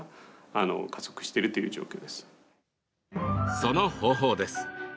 その方法です。